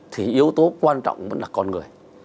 thì yếu tố quan trọng vẫn là con người